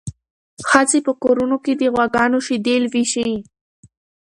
ښځې په کورونو کې د غواګانو شیدې لوشي.